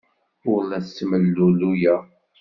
Ur la ttemlelluyeɣ.